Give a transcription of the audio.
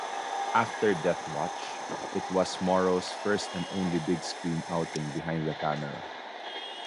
After "Deathwatch", it was Morrow's first and only big screen outing behind the camera.